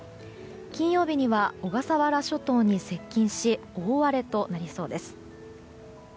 金曜日には小笠原諸島に接近し大荒れとなりそうです。